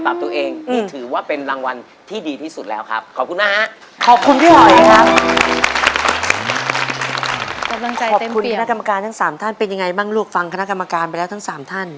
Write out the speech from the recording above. ขอบคุณคณะกรรมการทั้ง๓ท่านเป็นยังไงบ้างลูกฟังคณะกรรมการไปแล้วทั้ง๓ท่าน